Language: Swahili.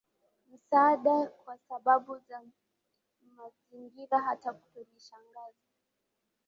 Msaada Kwa Sababu za Mazingira Hata tulishangazwa